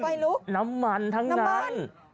ใฟลุกน้ำมันทั้งหมด